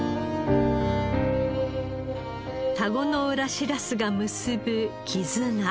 田子の浦しらすが結ぶ絆。